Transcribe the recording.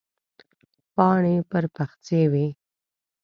پاڼې پر پخڅې وې.